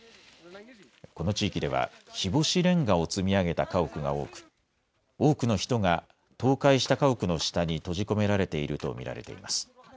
この地域では日干しれんがを積み上げた家屋が多く多くの人が倒壊した家屋の下に閉じ込められていると見られています。